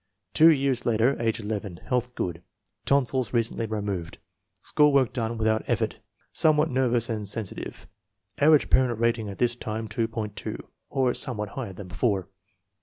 Two years later, age 11. Health good. Tonsils recently removed. School work done without effort. Somewhat nervous and sensitive. Average parent rat* ing at this time, 2.20, or somewhat higher than before.